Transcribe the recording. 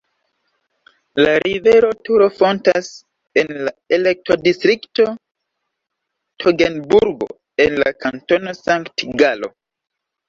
La rivero Turo fontas en la elektodistrikto Togenburgo en la Kantono Sankt-Galo.